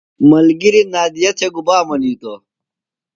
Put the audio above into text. ملگِریۡ نادیہ تھےۡ گُبا منِیتوۡ؟